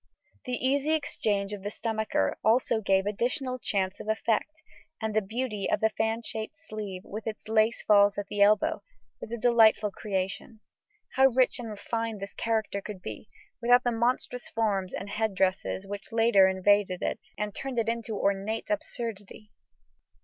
The easy exchange of the stomacher also gave additional chance of effect, and the beauty of the fan shaped sleeve, with its lace falls at the elbow, was a delightful creation. How rich and refined this character could be, without the monstrous forms and head dresses which later invaded it and turned it into ornate absurdity!